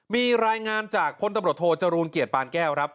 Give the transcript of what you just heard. มีรายงานจากพลตำรวจโทจรูลเกียรติปานแก้วครับ